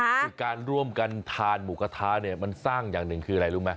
คือการร่วมกันทานหมูกระทะเนี่ยมันสร้างอย่างหนึ่งคืออะไรรู้ไหม